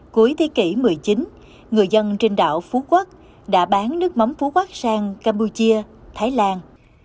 cuối thế kỷ một mươi chín người dân trên đảo phú quốc đã bán nước mắm phú quốc sang campuchia thái lan